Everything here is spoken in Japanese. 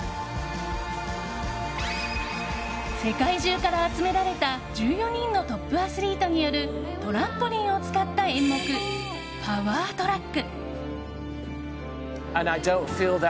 世界中から集められた１４人のトップアスリートによるトランポリンを使った演目パワートラック。